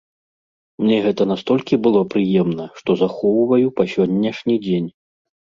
Мне гэта настолькі было прыемна, што захоўваю па сённяшні дзень.